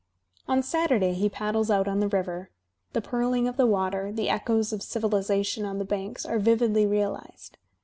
On Saturday he paddles out on the river. The purling of the water, the echoes of civilization on the banks are vividly realized.